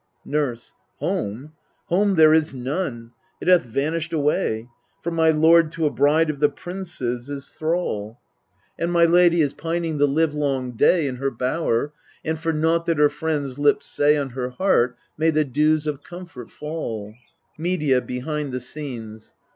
Nurse. Home? home there is none: it hath vanished away ; For my lord to a bride of the princes is thrall ; 248 EURIPIDES And my lady is pining the livelong day In her bower, and for naught that her friends' lips say On her heart may the dews of comfort fall. Medea (behind the scenes).